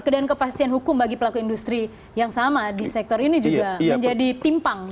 dan kepastian hukum bagi pelaku industri yang sama di sektor ini juga menjadi timpang